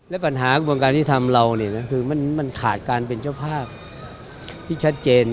และปัญหากรุงการธิษฐรรมเรามันขาดการเป็นเจ้าภาพที่ชัดเจน